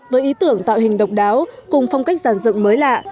với ý tưởng tạo hình độc đáo cùng phong cách giản dựng mới lạ